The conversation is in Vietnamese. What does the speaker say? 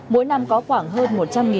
mỗi năm có khoảng hơn một trăm linh người